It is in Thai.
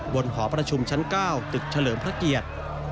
หอประชุมชั้น๙ตึกเฉลิมพระเกียรติ